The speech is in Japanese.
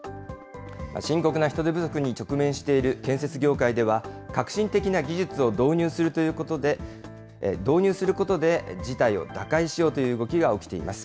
深刻な人手不足に直面している建設業界では、革新的な技術を導入することで、事態を打開しようという動きが起きています。